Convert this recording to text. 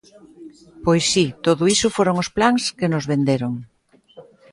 Pois, si, todo iso foron os plans que nos venderon.